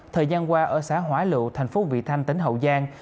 thời gian qua ở xã hóa lụ thành phố vị thanh tỉnh hậu giang